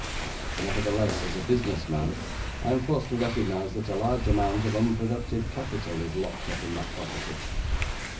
Nevertheless, as a business man, I am forced to recognise that a large amount of unproductive capital is locked up in that property.'